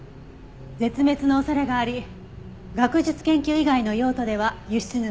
絶滅の恐れがあり学術研究以外の用途では輸出入できない動物です。